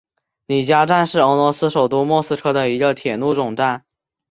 里加站是俄罗斯首都莫斯科的一个铁路总站。